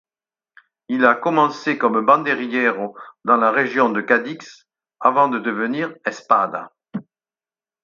Il a commencé comme banderillero dans la région de Cadix, avant de devenir espada.